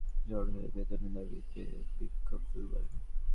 এরপর তাঁরা কারখানার সামনে জড়ো হয়ে বেতনের দাবিতে বিক্ষোভ শুরু করেন।